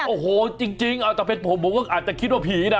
โอ้โหจริงเอาแต่เป็นผมผมก็อาจจะคิดว่าผีนะ